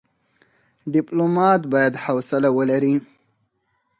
ډيپلومات بايد حوصله ولري.